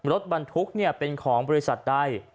รถบรรทุกเป็นของบริษัทใด